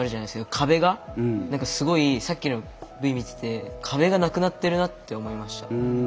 何かすごいさっきのＶ見てて壁がなくなってるなって思いました。